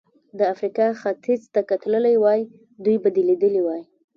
د افریقا ختیځ ته که تللی وای، دوی به دې لیدلي وای.